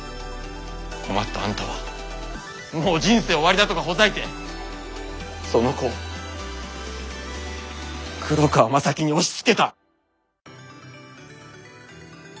困ったあんたは「もう人生終わりだ」とかほざいてその子を黒川政樹に押しつけた。